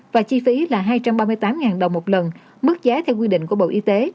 và chi phí là hai trăm ba mươi tám đồng một lần mức giá theo quy định của bộ y tế